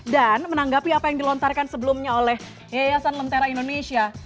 dan menanggapi apa yang dilontarkan sebelumnya oleh yayasan lentera indonesia